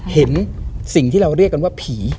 เห็นสิ่งที่เราเรียกกันว่าผี